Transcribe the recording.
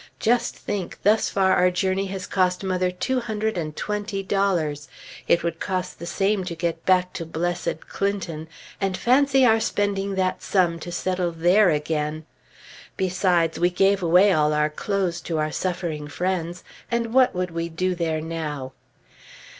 Just think! Thus far, our journey has cost mother two hundred and twenty dollars. It would cost the same to get back to blessed Clinton, and fancy our spending that sum to settle there again! Besides, we gave away all our clothes to our suffering friends; and what would we do there now?